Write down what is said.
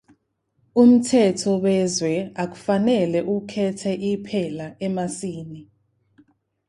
Umthetho wezwe akufanele ukhethe iphela emasini.